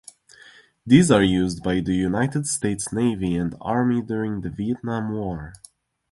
These are used by the United States Navy and Army during the Vietnam War.